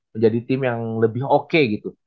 menjadi tim yang lebih oke gitu